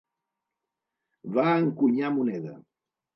Va encunyar moneda.